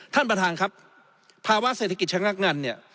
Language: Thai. ท่านประธานครับภาวะเศรษฐกิจชะงักงันเนี่ย